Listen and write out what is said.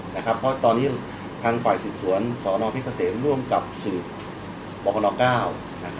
เพราะตอนนี้ทางฝ่ายศูนย์ศวนศพิกเษมร่วมกับศูนย์บรคณ๙